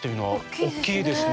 大きいですね。